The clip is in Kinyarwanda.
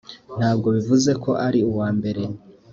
ntabwo bivuze ko uri uwa mbere